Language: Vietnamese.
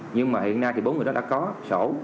nhưng mà hiện nay thì bốn người đó đã có sổ